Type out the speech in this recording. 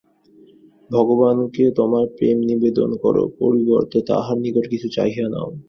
ভগবানকে তোমার প্রেম নিবেদন কর, পরিবর্তে তাঁহার নিকট কিছু চাহিও না।